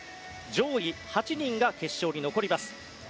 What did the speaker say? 上位８人が決勝に残ります。